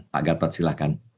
pak gatot silahkan